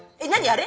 あれ？